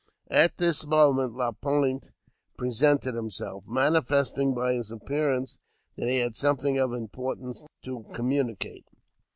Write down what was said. At this moment Le Pointe presented himself, manifesting by his appearance that he had something of importance to communicate.